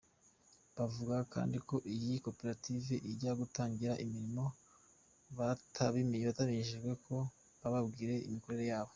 Bavuga kandi ko iyi koperative ijya gutangira imirimo batabimenyeshejwe ngo bababwire n’imikorere yabo.